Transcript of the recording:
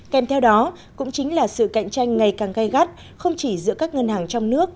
kèm theo đó cũng chính là sự cạnh tranh ngày càng gai gắt không chỉ giữa các ngân hàng trong nước